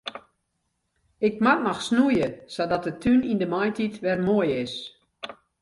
Ik moat noch snoeie sadat de tún yn de maitiid wer moai is.